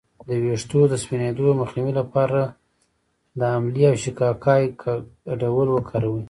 د ویښتو د سپینیدو مخنیوي لپاره د املې او شیکاکای ګډول وکاروئ